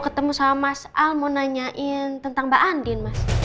ketemu sama mas al mau nanyain tentang mbak andin